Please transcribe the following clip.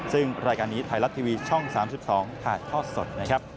ซึ่งรายการนี้ไทยรัดทีวีช่อง๓๒ถ่ายท่อสด